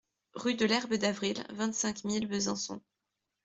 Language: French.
Rue de l'Herbe d'Avril, vingt-cinq mille Besançon